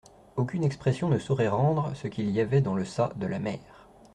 Aucune expression ne saurait rendre ce qu'il y avait dans le ça de la mère.